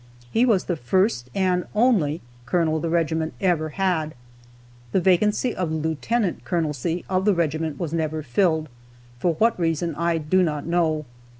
He was the first, and only, colonel the regiment ever had. The vacancy in the lieutenant colonelcy of the regiment was never filled, for what reason I do not know.